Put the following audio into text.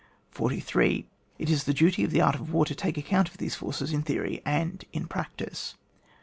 43. It is the duty of the art of war to take account of these forces in theory and in practice.